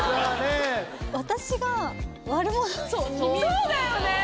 そうだよね！